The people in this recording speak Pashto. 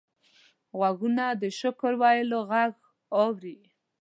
غوږونه د شکر ویلو غږ اوري